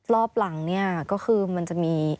รอบหลังเนี่ยก็คือมันจะมี